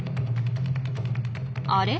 あれ？